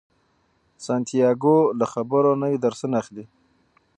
سانتیاګو له خبرو نوي درسونه اخلي.